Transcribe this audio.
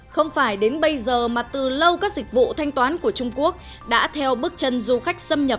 không phải đến bây giờ mà từ lâu các dịch vụ thanh toán của trung quốc đã theo bước chân du khách xâm nhập